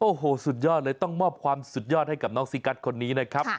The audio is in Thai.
โอ้โหสุดยอดเลยต้องมอบความสุดยอดให้กับน้องซีกัสคนนี้นะครับ